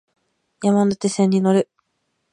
山手線に乗る